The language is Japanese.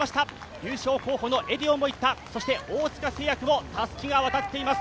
優勝候補のエディオン、そして大塚製薬もたすきが渡っています。